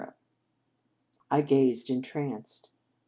I gazed entranced.